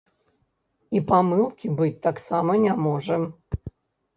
І памылкі быць таксама не можа.